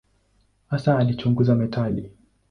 Hasa alichunguza metali.